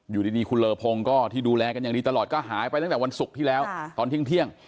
อยู่ดีคุณเลอพงก็ที่ดูแลกันอย่างดีตลอดก็หายไปตั้งแต่วันศุกร์ที่แล้วตอนเที่ยง